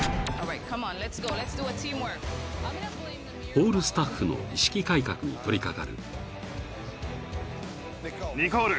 ［ホールスタッフの意識改革に取り掛かる］